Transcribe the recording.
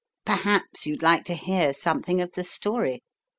"Perhaps you'd like to hear something of the story.